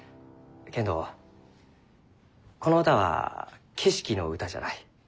けんどこの歌は景色の歌じゃない。